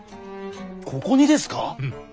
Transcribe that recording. ここにですか！？